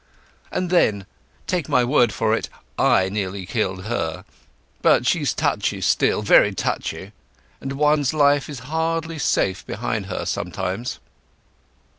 And then, take my word for it, I nearly killed her. But she's touchy still, very touchy; and one's life is hardly safe behind her sometimes."